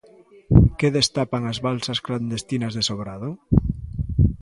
¿Que destapan as balsas clandestinas de Sobrado?